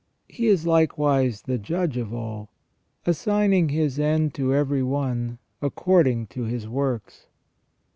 He is likewise the judge of all, assigning his end to every one according to his works.